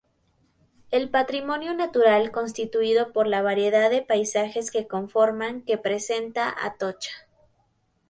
El patrimonio natural constituido por la variedad de paisajes que conforman que presenta Atocha.